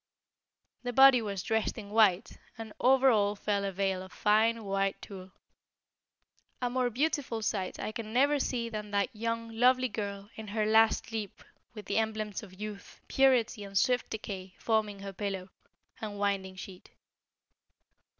The body was dressed in white, and over all fell a veil of fine white tulle. A more beautiful sight I can never see than that young, lovely girl in her last sleep with the emblems of youth, purity and swift decay forming her pillow, and winding sheet.